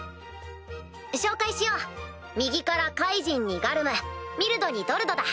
紹介しよう右からカイジンにガルムミルドにドルドだ。